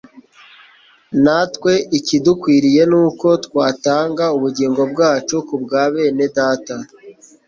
natwe ikidukwiriye ni uko twatanga ubugingo bwacu ku bwa bene data.»